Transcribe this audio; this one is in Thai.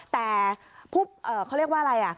แต่เขาเรียกว่าอะไร